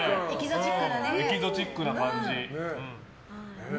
エキゾチックな感じ。